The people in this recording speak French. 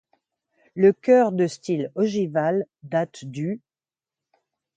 Le chœur de style ogival date du -.